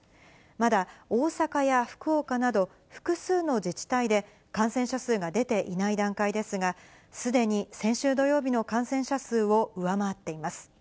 まだ大阪や福岡など、複数の自治体で、感染者数が出ていない段階ですが、すでに先週土曜日の感染者数を上回っています。